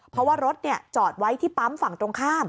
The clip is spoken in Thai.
เพราะว่ารถจอดไว้ที่ปั๊มฝั่งตรงข้าม